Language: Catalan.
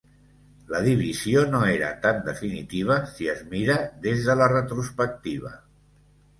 La divisió no era tan definitiva si es mira des de la retrospectiva.